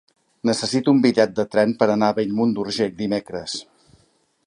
Necessito un bitllet de tren per anar a Bellmunt d'Urgell dimecres.